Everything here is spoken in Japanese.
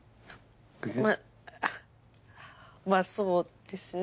まぁまぁそうですね。